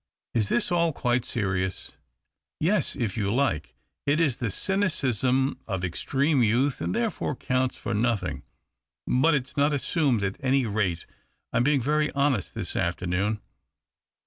" Is this all quite serious ?"" Yes. If you like, it is the cynicism of extreme youth, and therefore counts for nothing. But it's not assumed, at any rate. I'm being very honest this afternoon."